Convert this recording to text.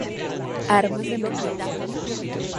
Armas de Mendoza